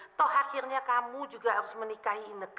atau akhirnya kamu juga harus menikahi integ